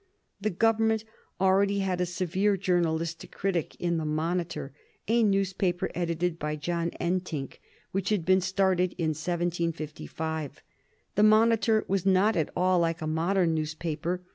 The Government already had a severe journalistic critic in the Monitor, a newspaper edited by John Entinck, which had been started in 1755. The Monitor was not at all like a modern newspaper.